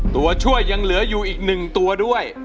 ตัวช่วยยังเหลืออยู่อีก๑ตัวด้วย